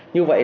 như vậy đó